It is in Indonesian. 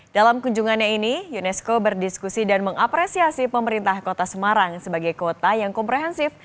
dalam kunjungannya ini unesco berdiskusi dan mengapresiasi pemerintah kota semarang sebagai kota yang komprehensif